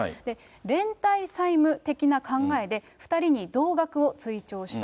連帯債務的な考えで、２人に同額を追徴した。